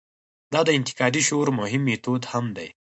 دا د انتقادي شعور مهم میتود هم دی.